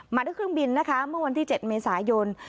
มาด้วยเครื่องบินนะคะเมื่อวันที่๗เมษายน